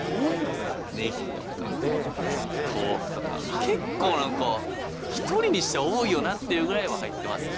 ネギとか豆腐とか、結構なんか、１人にしては多いよなっていうぐらいは入ってますね。